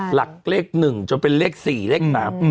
หลักเลข๑จนเป็นเลข๔เลข๓